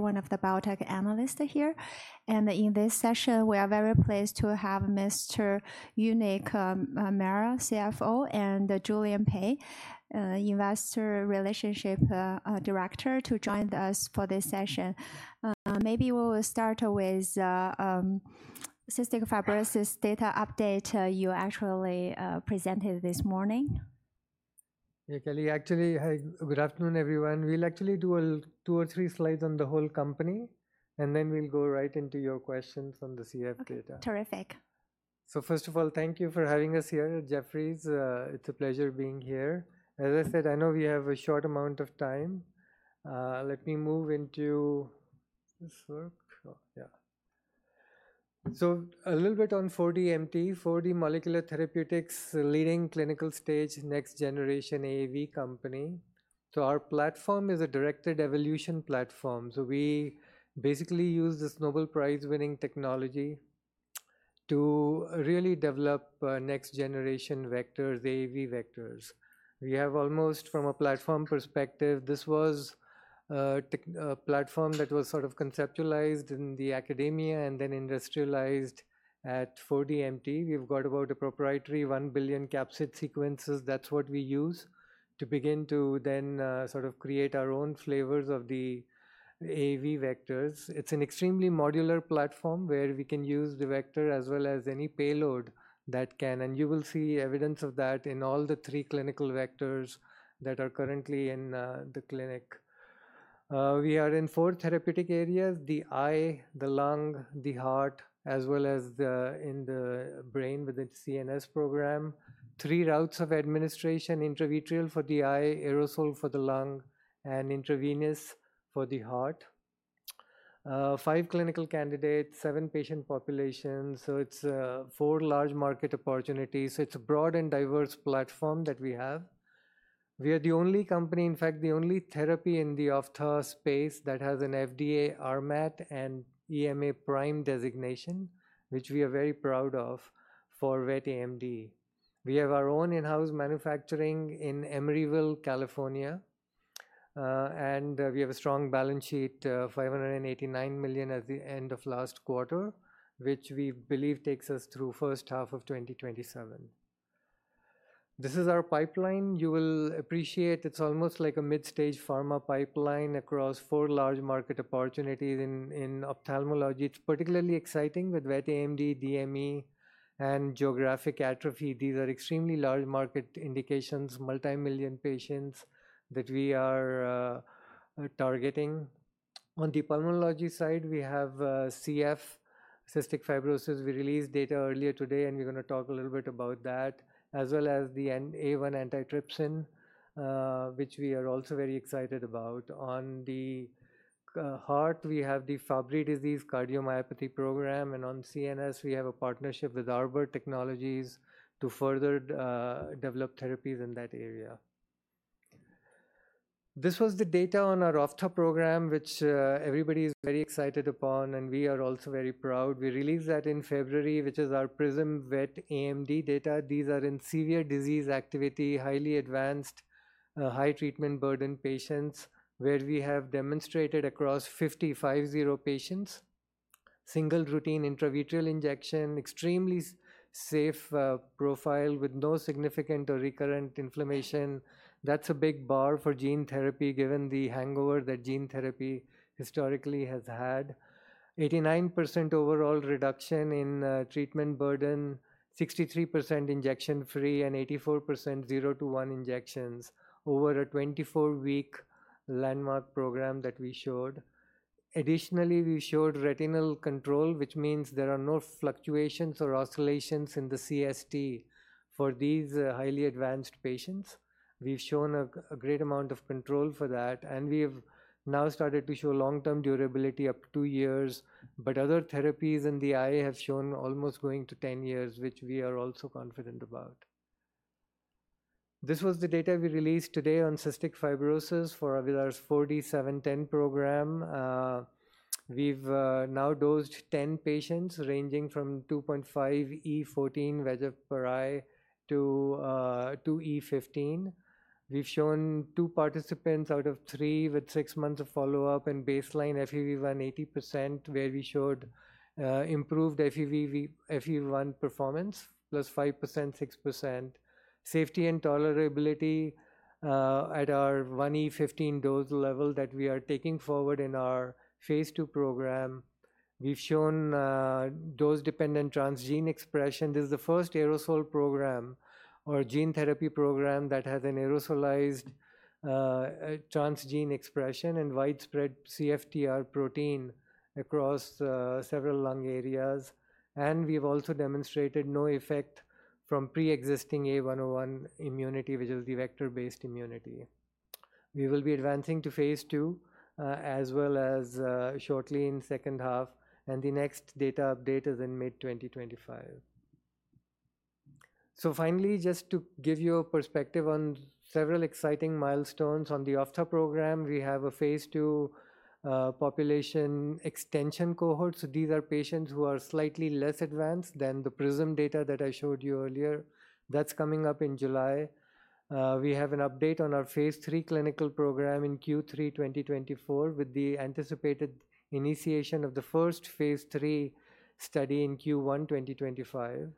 One of the biotech analysts here, and in this session, we are very pleased to have Mr. Uneek Mehra, CFO, and Julian Pei, Investor Relations Director, to join us for this session. Maybe we will start with cystic fibrosis data update. You actually presented this morning. Yeah, Kelly, actually, hi. Good afternoon, everyone. We'll actually do a two or three slides on the whole company, and then we'll go right into your questions on the CF data. Okay. Terrific. So first of all, thank you for having us here at Jefferies. It's a pleasure being here. As I said, I know we have a short amount of time. Let me move into this work. So a little bit on 4DMT. 4D Molecular Therapeutics, a leading clinical-stage, next-generation AAV company. So our platform is a directed evolution platform. So we basically use this Nobel Prize-winning technology to really develop, next-generation vectors, AAV vectors. We have almost from a platform perspective, this was, tech platform that was sort of conceptualized in the academia and then industrialized at 4DMT. We've got about a proprietary one billion capsid sequences. That's what we use to begin to then, sort of create our own flavors of the AAV vectors. It's an extremely modular platform where we can use the vector as well as any payload that can... And you will see evidence of that in all the three clinical vectors that are currently in the clinic. We are in four therapeutic areas: the eye, the lung, the heart, as well as the brain with its CNS program. Three routes of administration, intravitreal for the eye, aerosol for the lung, and intravenous for the heart. Five clinical candidates, seven patient populations, so it's four large market opportunities. It's a broad and diverse platform that we have. We are the only company, in fact, the only therapy in the ophtho space that has an FDA RMAT and EMA PRIME designation, which we are very proud of for wet AMD. We have our own in-house manufacturing in Emeryville, California, and we have a strong balance sheet, $589 million at the end of last quarter, which we believe takes us through first half of 2027. This is our pipeline. You will appreciate it's almost like a mid-stage pharma pipeline across four large market opportunities in ophthalmology. It's particularly exciting with wet AMD, DME, and geographic atrophy. These are extremely large market indications, multimillion patients that we are targeting. On the pulmonology side, we have CF, cystic fibrosis. We released data earlier today, and we're gonna talk a little bit about that, as well as the alpha-1 antitrypsin, which we are also very excited about. On the heart, we have the Fabry disease cardiomyopathy program, and on CNS, we have a partnership with Arbor Biotechnologies to further develop therapies in that area. This was the data on our 4D-150 program, which everybody is very excited upon, and we are also very proud. We released that in February, which is our PRISM wet AMD data. These are in severe disease activity, highly advanced high treatment burden patients, where we have demonstrated across 50 patients, single routine intravitreal injection, extremely safe profile with no significant or recurrent inflammation. That's a big bar for gene therapy, given the hangover that gene therapy historically has had. 89% overall reduction in treatment burden, 63% injection-free and 84% zero to one injections over a 24-week landmark program that we showed. Additionally, we showed retinal control, which means there are no fluctuations or oscillations in the CST for these highly advanced patients. We've shown a great amount of control for that, and we've now started to show long-term durability up to two years, but other therapies in the eye have shown almost going to ten years, which we are also confident about. This was the data we released today on cystic fibrosis for 4D-710 program. We've now dosed 10 patients, ranging from 2.5 × E14 vector per eye to 2 × E15. We've shown two participants out of three with six months of follow-up and baseline FEV1 80%, where we showed improved FEV1 performance, +5%, +6%. Safety and tolerability at our 1E15 dose level that we are taking forward in our Phase II program, we've shown dose-dependent transgene expression. This is the first aerosol program or gene therapy program that has an aerosolized transgene expression and widespread CFTR protein across several lung areas. And we've also demonstrated no effect from preexisting A101 immunity, which is the vector-based immunity. We will be advancing to Phase II as well as shortly in second half, and the next data update is in mid-2025. So finally, just to give you a perspective on several exciting milestones on the ophtho program, we have a Phase II population extension cohort. So these are patients who are slightly less advanced than the PRISM data that I showed you earlier. That's coming up in July. We have an update on our Phase III clinical program in Q3 2024, with the anticipated initiation of the first Phase III study in Q1 2025.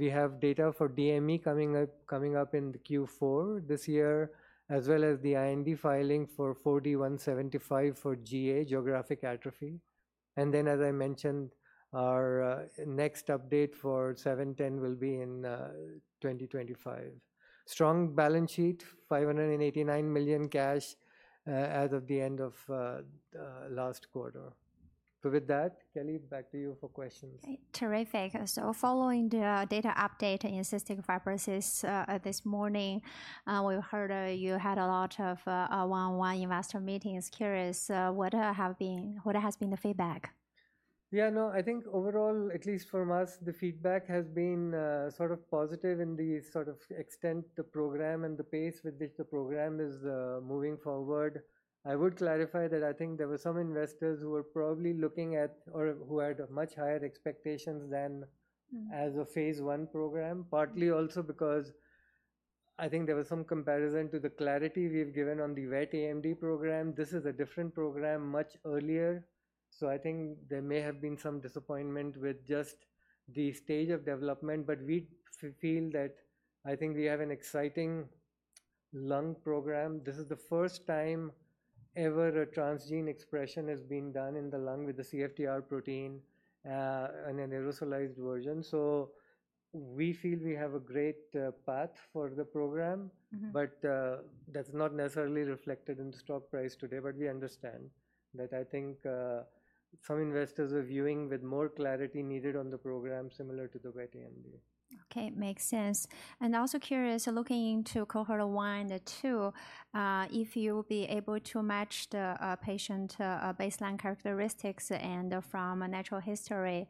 We have data for DME coming up, coming up in Q4 this year, as well as the IND filing for 4D-175 for GA, geographic atrophy. And then, as I mentioned, our next update for 4D-710 will be in 2025. Strong balance sheet, $589 million cash, as of the end of the last quarter. So with that, Kelly, back to you for questions. Okay, terrific. So following the data update in cystic fibrosis this morning, we heard you had a lot of one-on-one investor meetings. Curious, what has been the feedback? Yeah, no, I think overall, at least from us, the feedback has been, sort of positive in the sort of extent the program and the pace with which the program is, moving forward. I would clarify that I think there were some investors who were probably looking at or who had much higher expectations than- Mm. As a Phase I program. Partly also because I think there was some comparison to the clarity we've given on the wet AMD program. This is a different program, much earlier, so I think there may have been some disappointment with just the stage of development. But we feel that I think we have an exciting lung program. This program is the first time ever a transgene expression has been done in the lung with the CFTR protein in an aerosolized version. So we feel we have a great path for the program. Mm-hmm. That's not necessarily reflected in the stock price today, but we understand that I think, some investors are viewing with more clarity needed on the program, similar to the wet AMD. Okay, makes sense. And also curious, looking into Cohort 1 and 2, if you'll be able to match the patient baseline characteristics and from natural history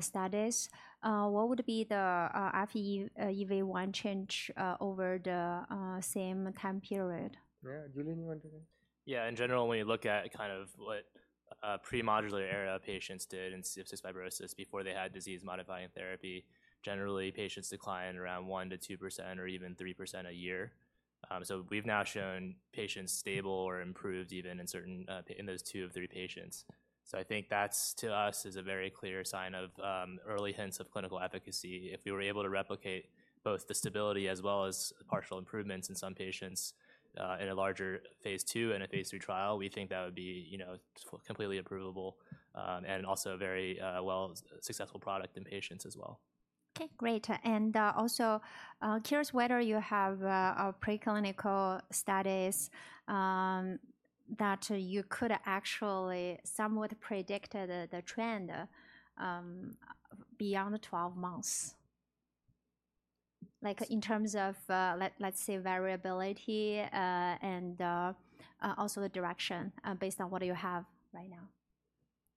studies, what would be the FEV1 change over the same time period? Yeah. Julian, you want to take? Yeah. In general, when you look at kind of what pre-modulator era patients did in cystic fibrosis before they had disease-modifying therapy, generally, patients decline around 1%-2% or even 3% a year. So we've now shown patients stable or improved even in certain in those two of three patients. So I think that's, to us, is a very clear sign of early hints of clinical efficacy. If we were able to replicate both the stability as well as partial improvements in some patients in a larger Phase II and a Phase III trial, we think that would be, you know, completely approvable and also a very well successful product in patients as well. Okay, great. And, also, curious whether you have a preclinical studies that you could actually somewhat predict the trend beyond the 12 months, like in terms of, let's say, variability, and, also the direction, based on what you have right now?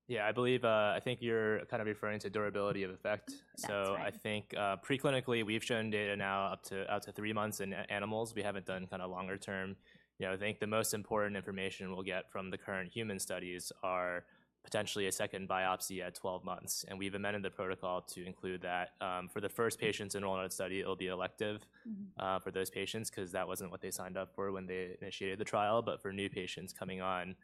Yeah, I believe, I think you're kind of referring to durability of effect. That's right. So I think, preclinically, we've shown data now up to three months in animals. We haven't done kinda longer term. You know, I think the most important information we'll get from the current human studies are potentially a second biopsy at 12 months, and we've amended the protocol to include that. For the first patients enrolled in the study, it'll be elective- Mm-hmm. for those patients, 'cause that wasn't what they signed up for when they initiated the trial. But for new patients coming on,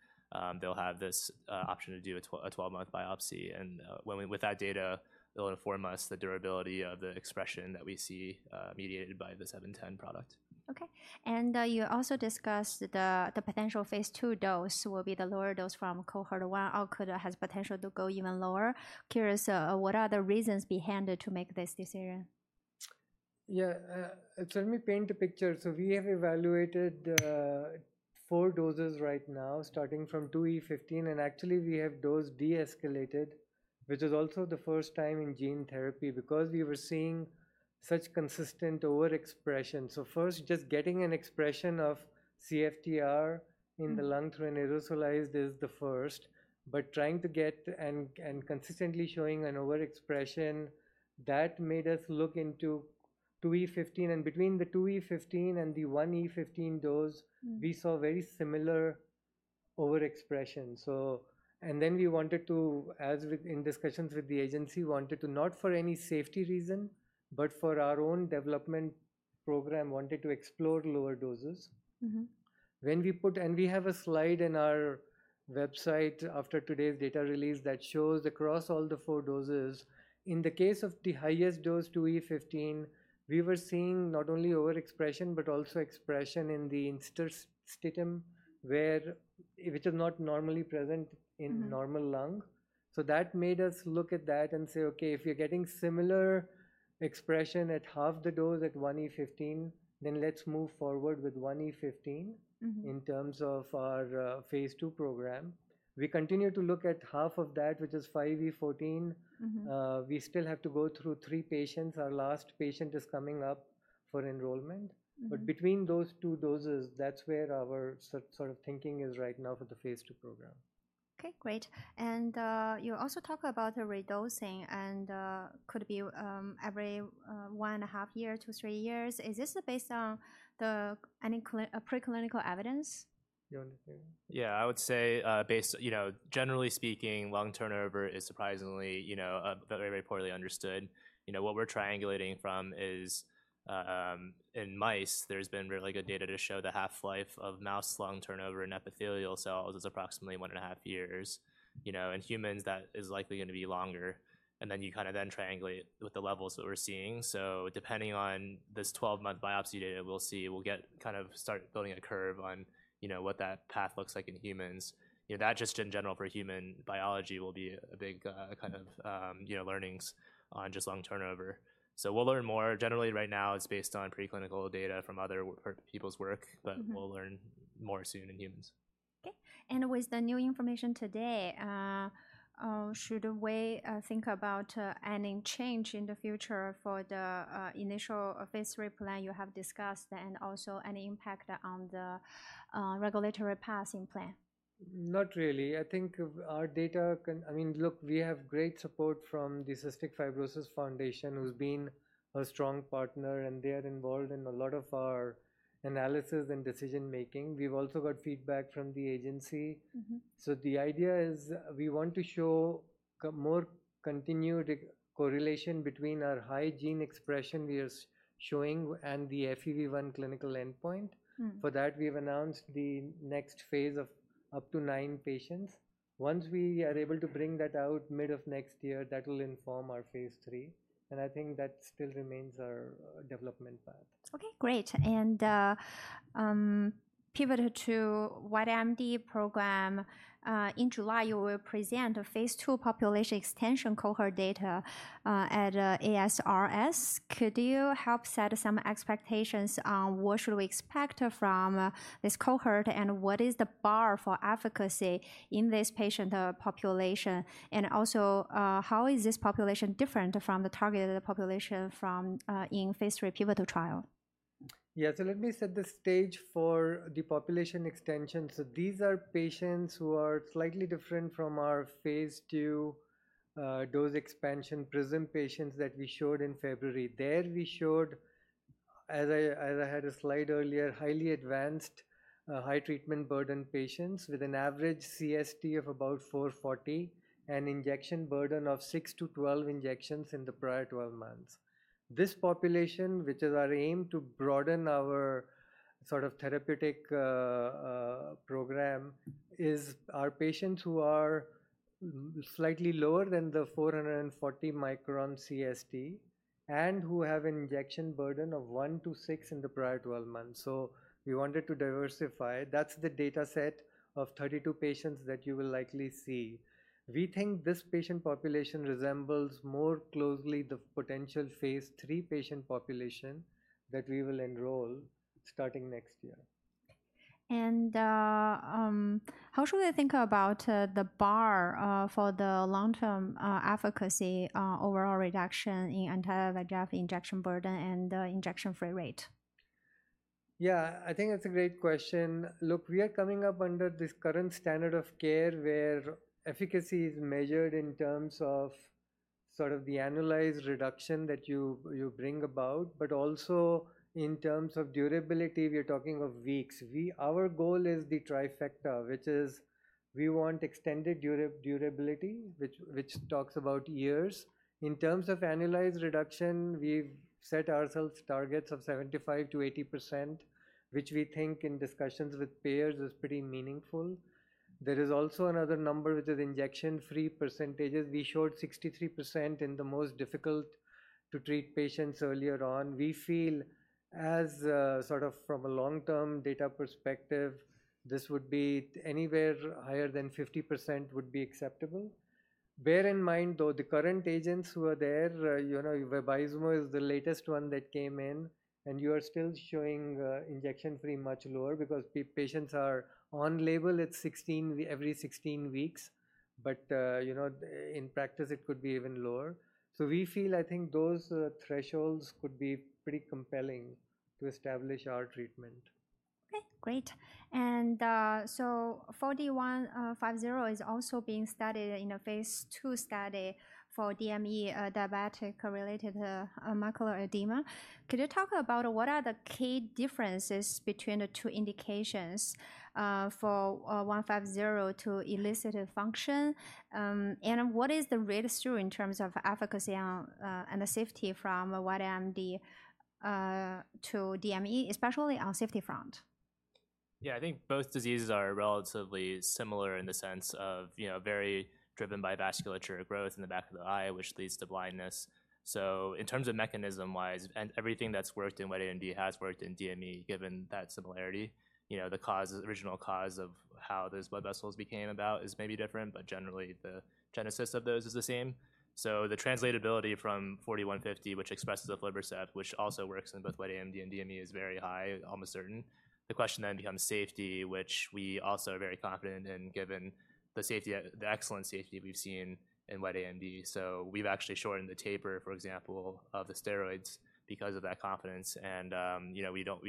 they'll have this option to do a 12-month biopsy. And, with that data, it'll inform us the durability of the expression that we see, mediated by the 710 product. Okay. And, you also discussed the potential Phase II dose will be the lower dose from cohort one or could, has potential to go even lower. Curious, what are the reasons behind it to make this decision? Yeah, so let me paint a picture. So we have evaluated four doses right now, starting from 2E15, and actually, we have dose deescalated, which is also the first time in gene therapy because we were seeing such consistent overexpression. So first, just getting an expression of CFTR in the- Mm... lung through an aerosolized is the first, but trying to get and consistently showing an overexpression, that made us look into 2E15. And between the 2E15 and the 1E15 dose- Mm... we saw very similar overexpression. So, then we wanted to, as we had in discussions with the agency, not for any safety reason, but for our own development program, explore lower doses. Mm-hmm. When we put and we have a slide in our website after today's data release that shows across all the four doses. In the case of the highest dose, 2E15, we were seeing not only overexpression but also expression in the interstitium, which is not normally present in- Mm-hmm... normal lung. So that made us look at that and say, "Okay, if you're getting similar expression at half the dose at 1E15, then let's move forward with 1E15- Mm-hmm... in terms of our, Phase II program." We continue to look at half of that, which is 5E14. Mm-hmm. We still have to go through three patients. Our last patient is coming up for enrollment. Mm-hmm. Between those two doses, that's where our sort of thinking is right now for the Phase II program.... Okay, great. You also talk about the redosing and could be every 1.5-3 years. Is this based on any clinical or preclinical evidence? You want to take it? Yeah, I would say, based, you know, generally speaking, lung turnover is surprisingly, you know, very, very poorly understood. You know, what we're triangulating from is, in mice, there's been really good data to show the half-life of mouse lung turnover in epithelial cells is approximately one and a half years. You know, in humans, that is likely gonna be longer, and then you kinda then triangulate with the levels that we're seeing. So depending on this 12-month biopsy data, we'll see. We'll get kind of start building a curve on, you know, what that path looks like in humans. You know, that just in general for human biology will be a big, kind of, you know, learnings on just lung turnover. So we'll learn more. Generally, right now, it's based on preclinical data from other people's work- Mm-hmm. But we'll learn more soon in humans. Okay. And with the new information today, should we think about any change in the future for the initial Phase III plan you have discussed, and also any impact on the regulatory pathway plan? Not really. I think if our data... I mean, look, we have great support from the Cystic Fibrosis Foundation, who's been a strong partner, and they are involved in a lot of our analysis and decision-making. We've also got feedback from the agency. Mm-hmm. So the idea is we want to show more continued correlation between our high gene expression we are showing and the FEV1 clinical endpoint. Mm. For that, we've announced the next phase of up to nine patients. Once we are able to bring that out mid of next year, that will inform our Phase III, and I think that still remains our development path. Okay, great. Pivot to wet AMD program. In July, you will present a Phase II population extension cohort data at ASRS. Could you help set some expectations on what should we expect from this cohort, and what is the bar for efficacy in this patient population? And also, how is this population different from the targeted population in Phase III pivotal trial? Yeah. So let me set the stage for the population extension. So these are patients who are slightly different from our Phase II dose expansion PRISM patients that we showed in February. There we showed, as I had a slide earlier, highly advanced high treatment burden patients with an average CST of about 440 and injection burden of 6-12 injections in the prior twelve months. This population, which is our aim to broaden our sort of therapeutic program, is our patients who are slightly lower than the 440 micron CST and who have an injection burden of 1-6 in the prior twelve months. So we wanted to diversify. That's the data set of 32 patients that you will likely see. We think this patient population resembles more closely the potential Phase III patient population that we will enroll starting next year. How should we think about the bar for the long-term efficacy, overall reduction in anti-VEGF injection burden and injection-free rate? Yeah, I think that's a great question. Look, we are coming up under this current standard of care, where efficacy is measured in terms of sort of the annualized reduction that you bring about, but also in terms of durability, we are talking of weeks. We. Our goal is the trifecta, which is, we want extended durability, which talks about years. In terms of annualized reduction, we've set ourselves targets of 75%-80%, which we think in discussions with payers is pretty meaningful. There is also another number, which is injection-free percentages. We showed 63% in the most difficult-to-treat patients earlier on. We feel as, sort of from a long-term data perspective, this would be anywhere higher than 50% would be acceptable. Bear in mind, though, the current agents who are there, you know, Vabysmo is the latest one that came in, and you are still showing, injection-free much lower because patients are on label at 16, every 16 weeks. But, you know, in practice, it could be even lower. So we feel, I think those, thresholds could be pretty compelling to establish our treatment. Okay, great. So 4D-150 is also being studied in a Phase II study for DME, diabetic-related macular edema. Could you talk about what are the key differences between the two indications for 4D-150 to elicit function? And what is the read-through in terms of efficacy and the safety from wet AMD to DME, especially on safety front? Yeah, I think both diseases are relatively similar in the sense of, you know, very driven by vasculature growth in the back of the eye, which leads to blindness. So in terms of mechanism-wise, and everything that's worked in wet AMD has worked in DME, given that similarity. You know, the cause, original cause of how those blood vessels became about is maybe different, but generally, the genesis of those is the same. So the translatability from 4D-150, which expresses the aflibercept, which also works in both wet AMD and DME, is very high, almost certain. The question then becomes safety, which we also are very confident in, given the safety, the excellent safety we've seen in wet AMD. So we've actually shortened the taper, for example, of the steroids because of that confidence and, you know, we don't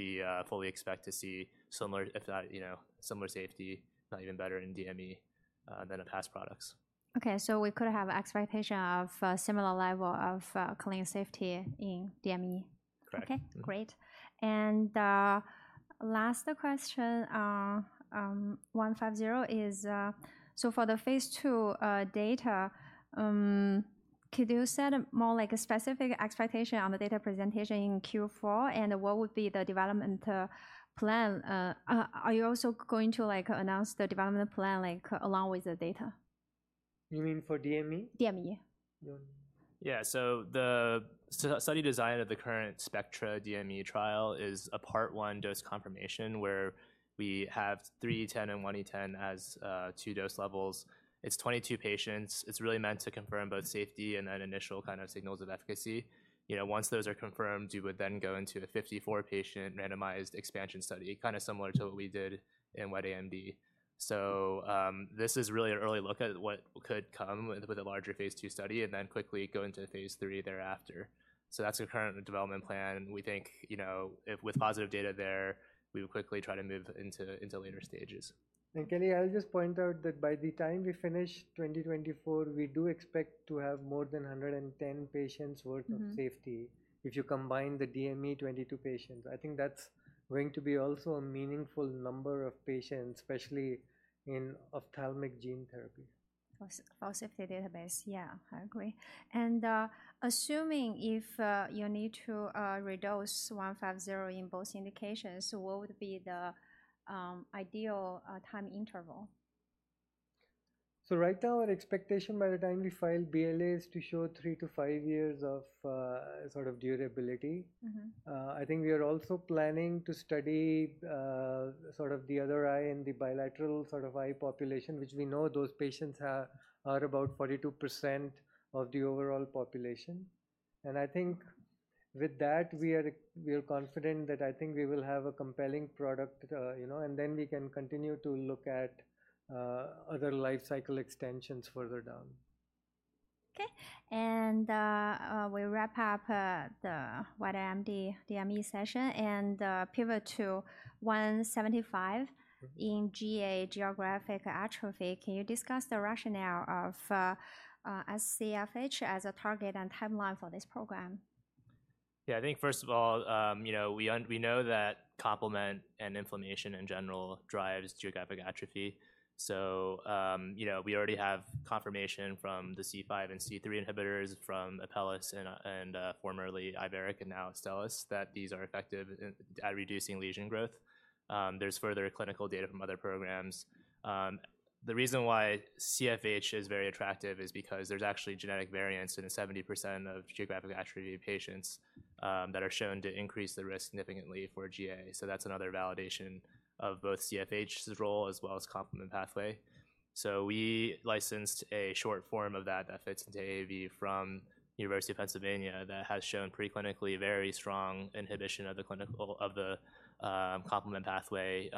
fully expect to see similar, if not, you know, similar safety, if not even better, in DME than in past products. Okay, so we could have expectation of similar level of clean safety in DME? Correct. Okay, great. And last question, 150 is so for the Phase II data, could you set a more like a specific expectation on the data presentation in Q4, and what would be the development plan? Are you also going to, like, announce the development plan, like, along with the data? You mean for DME? DME. Yeah. Yeah, so the study design of the current SPECTRA DME trial is a part one dose confirmation, where we have 3E10 and 1E10 as two dose levels. It's 22 patients. It's really meant to confirm both safety and then initial kind of signals of efficacy. You know, once those are confirmed, you would then go into a 54-patient randomized expansion study, kinda similar to what we did in wet AMD. So this is really an early look at what could come with a larger Phase II study and then quickly go into Phase III thereafter. So that's the current development plan. We think, you know, if with positive data there, we would quickly try to move into later stages. Kelly, I'll just point out that by the time we finish 2024, we do expect to have more than 110 patients- Mm-hmm. -worth of safety, if you combine the DME 22 patients. I think that's going to be also a meaningful number of patients, especially in ophthalmic gene therapy. For safety database. Yeah, I agree. And assuming if you need to reduce 150 in both indications, so what would be the ideal time interval? So right now, our expectation by the time we file BLA is to show 3-5 years of sort of durability. Mm-hmm. I think we are also planning to study sort of the other eye and the bilateral sort of eye population, which we know those patients are about 42% of the overall population. And I think with that, we are confident that I think we will have a compelling product, you know, and then we can continue to look at other life cycle extensions further down. Okay, and we'll wrap up the wet AMD DME session and pivot to 175- Mm-hmm. -in GA geographic atrophy. Can you discuss the rationale of sCFH as a target and timeline for this program? Yeah. I think first of all, you know, we know that complement and inflammation in general drives geographic atrophy. So, you know, we already have confirmation from the C5 and C3 inhibitors from Apellis and, and, formerly Iveric, and now Astellas, that these are effective at reducing lesion growth. There's further clinical data from other programs. The reason why CFH is very attractive is because there's actually genetic variants in 70% of geographic atrophy patients, that are shown to increase the risk significantly for GA. So that's another validation of both CFH's role as well as complement pathway. So we licensed a short form of that that fits into AAV from University of Pennsylvania that has shown preclinically very strong inhibition of the complement pathway.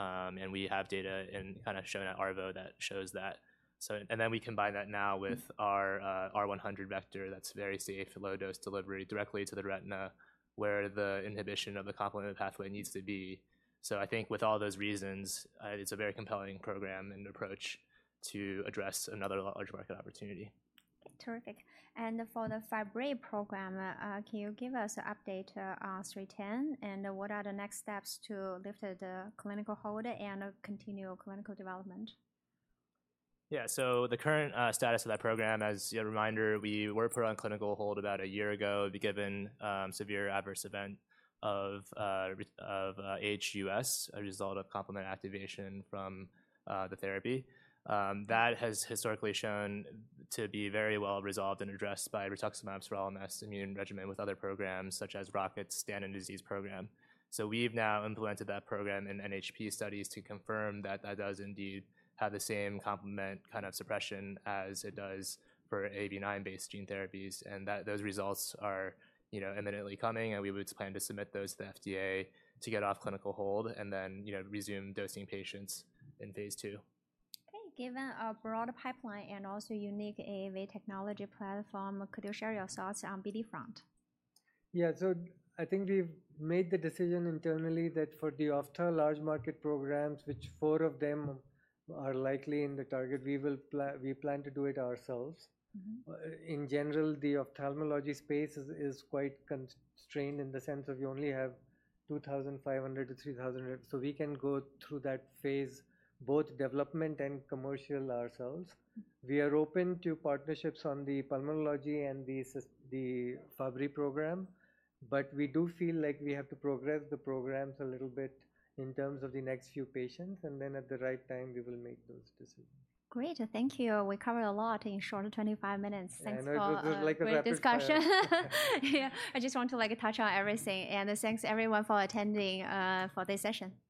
We have data and kinda shown at ARVO that shows that. So then we combine that now with our R100 vector that's very safe, low dose delivery directly to the retina, where the inhibition of the complement pathway needs to be. So I think with all those reasons, it's a very compelling program and approach to address another large market opportunity. Terrific. For the Fabry program, can you give us an update on 4D-310, and what are the next steps to lift the clinical hold and continue clinical development? Yeah. So the current status of that program, as a reminder, we were put on clinical hold about a year ago given severe adverse event of HUS, a result of complement activation from the therapy. That has historically shown to be very well resolved and addressed by rituximab's role in immune regimen with other programs, such as Rocket's Danon disease program. So we've now implemented that program in NHP studies to confirm that that does indeed have the same complement kind of suppression as it does for AAV9-based gene therapies, and that those results are, you know, imminently coming, and we would plan to submit those to the FDA to get off clinical hold and then, you know, resume dosing patients in Phase II. Okay. Given our broader pipeline and also unique AAV technology platform, could you share your thoughts on BD front? Yeah. So I think we've made the decision internally that for the larger market programs, which four of them are likely in the target, we plan to do it ourselves. Mm-hmm. In general, the ophthalmology space is quite constrained in the sense of you only have 2,500-3,000, so we can go through that Phase, both development and commercial, ourselves. We are open to partnerships on the pulmonology and the Fabry program, but we do feel like we have to progress the programs a little bit in terms of the next few patients, and then at the right time, we will make those decisions. Great, thank you. We covered a lot in short 25 minutes. Yeah, and it was like a rapid fire. Thanks for a great discussion. Yeah, I just want to, like, touch on everything, and thanks, everyone, for attending for this session. Thank you.